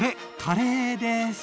カレーです！